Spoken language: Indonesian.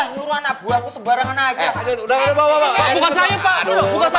nyuruh anak buah lu sebarang anak aja